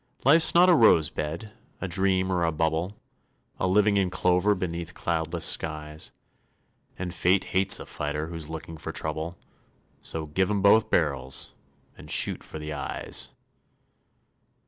Life's not a rose bed, a dream or a bubble, A living in clover beneath cloudless skies; And Fate hates a fighter who's looking for trouble, So give 'im both barrels and shoot for the eyes.